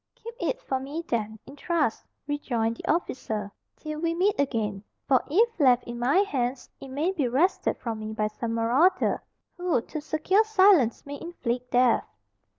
"Keep it for me then, in trust," rejoined the officer, "till we meet again; for if left in my hands, it may be wrested from me by some marauder, who to secure silence may inflict death."